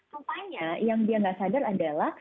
rupanya yang dia nggak sadar adalah